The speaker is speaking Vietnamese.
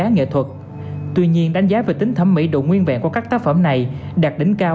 nghệ thuật tuy nhiên đánh giá về tính thẩm mỹ độ nguyên vẹn của các tác phẩm này đạt đỉnh cao